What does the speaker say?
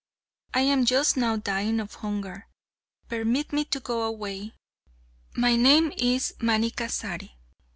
I am just now dying of hunger. Permit me to go away. My name is Manikkasari.